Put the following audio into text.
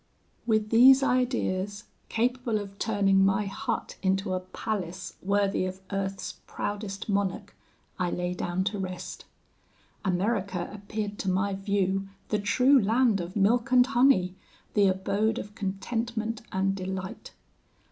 "With these ideas, capable of turning my hut into a palace worthy of earth's proudest monarch, I lay down to rest. America appeared to my view the true land of milk and honey, the abode of contentment and delight.